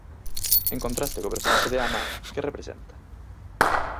En contraste co personaxe de Anna, que representa?